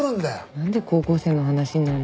なんで高校生の話になるの？